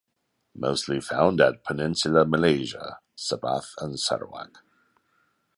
Mostly found at Peninsula Malaysia, Sabah and Sarawak.